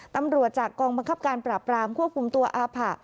ตำรวจจากกองบังคับการปราบรามควบคุมตัวอาผะ